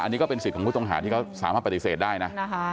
อันนี้ก็เป็นสิทธิ์ของผู้ต้องหาที่เขาสามารถปฏิเสธได้นะ